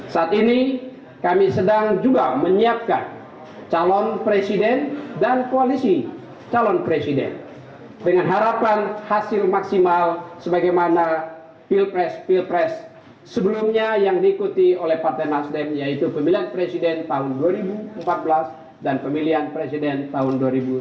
saat ini kami sedang juga menyiapkan calon presiden dan koalisi calon presiden dengan harapan hasil maksimal sebagaimana pilpres pilpres sebelumnya yang diikuti oleh partai nasdem yaitu pemilihan presiden tahun dua ribu empat belas dan pemilihan presiden tahun dua ribu sembilan belas